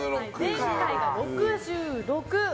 前回が６６。